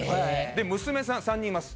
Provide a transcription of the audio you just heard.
で娘さん３人います。